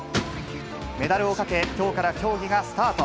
メダルをかけ、きょうから競技がスタート。